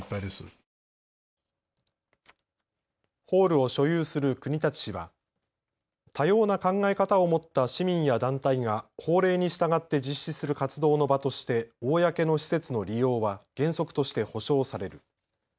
ホールを所有する国立市は多様な考え方を持った市民や団体が法令に従って実施する活動の場として、公の施設の利用は原則として保障される。